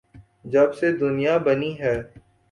جب سے دنیا بنی ہے۔